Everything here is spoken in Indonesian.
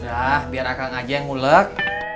udah biar akang aja yang ngulek